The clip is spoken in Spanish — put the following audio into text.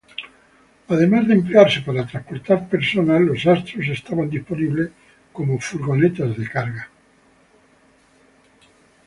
Además de emplearse para transportar personas, los Astro estaban disponibles como furgonetas de carga.